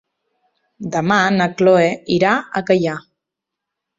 Demà na Chloé irà a Gaià.